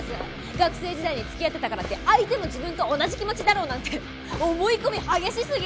学生時代に付き合ってたからって相手も自分と同じ気持ちだろうなんて思い込み激しすぎ！